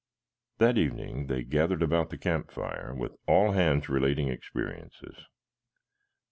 That evening they gathered about the campfire with all hands relating experiences.